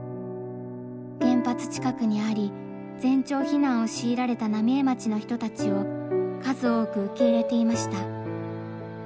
原発近くにあり全町避難を強いられた浪江町の人たちを数多く受け入れていました。